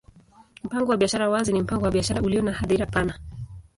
Mpango wa biashara wazi ni mpango wa biashara ulio na hadhira pana.